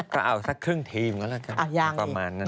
ก็เอาสักครึ่งทีมก็แล้วกันประมาณนั้น